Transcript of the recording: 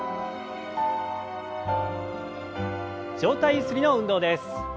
上体ゆすりの運動です。